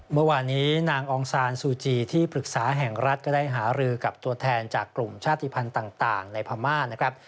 เมื่อวานนี้นางองซานซูจีที่ปรึกษาแห่งรัฐก็ได้หารือกับตัวแทนจากกลุ่มชาติภัณฑ์ต่างในพม่านะครับ